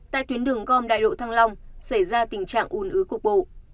tại tuyến đường com đại lộ thăng long xảy ra tình trạng un ứa cục bộ